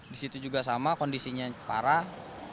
di situ juga sama kondisinya parah